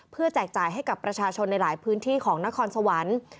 แจกจ่ายให้กับประชาชนในหลายพื้นที่ของนครสวรรค์